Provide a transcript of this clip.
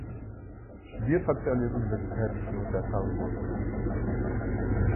Studiert hat sie an den Universitäten von Odessa und Moskau.